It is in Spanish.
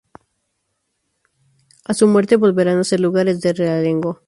A su muerte, volverán a ser lugares de realengo.